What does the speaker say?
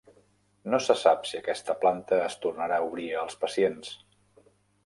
No se sap si aquesta planta es tornarà a obrir als pacients.